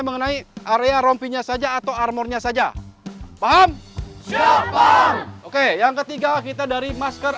mengenai area rompinya saja atau harmonnya saja paham siapa oke yang ketiga kita dari masker